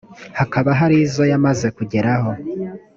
hakaba hari izo yamaze kugeraho